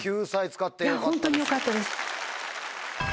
ホントによかったです。